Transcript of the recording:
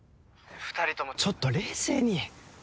２人ともちょっと冷静に。